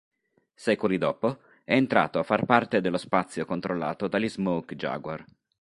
Secoli dopo, è entrato a far parte dello spazio controllato dagli Smoke Jaguar.